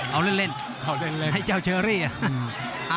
เอาเล่นไนเจ้าเชอรี่อะ